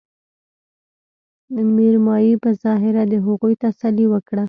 مېرمايي په ظاهره د هغوي تسلې وکړه